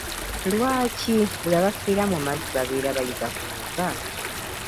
Lwaki buli abafiira mu mazzi babeera bayiga kuwuga?